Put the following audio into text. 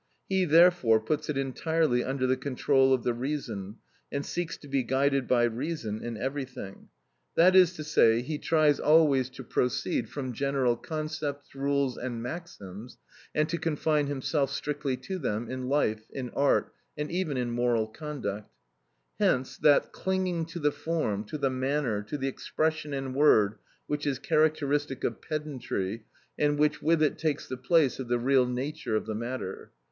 He, therefore, puts it entirely under the control of the reason, and seeks to be guided by reason in everything; that is to say, he tries always to proceed from general concepts, rules, and maxims, and to confine himself strictly to them in life, in art, and even in moral conduct. Hence that clinging to the form, to the manner, to the expression and word which is characteristic of pedantry, and which with it takes the place of the real nature of the matter.